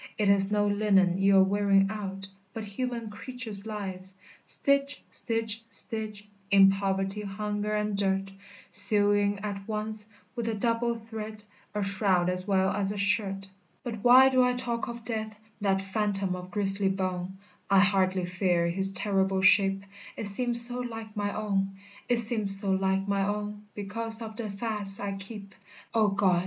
It is no linen you're wearing out, But human creatures' lives! Stitch! stitch! stitch, In poverty, hunger, and dirt, Sewing at once, with a double thread, A shroud as well as a shirt! "But why do I talk of death, That phantom of grisly bone? I hardly fear his terrible shape, It seems so like my own, It seems so like my own Because of the fasts I keep; O God!